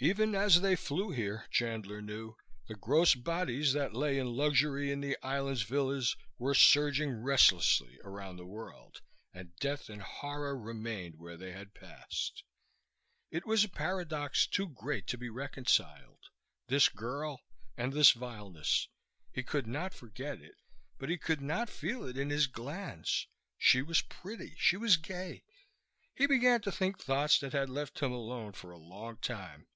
Even as they flew here, Chandler knew, the gross bodies that lay in luxury in the island's villas were surging restlessly around the world; and death and horror remained where they had passed. It was a paradox too great to be reconciled, this girl and this vileness. He could not forget it, but he could not feel it in his glands. She was pretty. She was gay. He began to think thoughts that had left him alone for a long time.